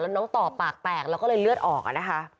น้องต่อปากแตกแล้วก็เลยเลือดออกนะคะ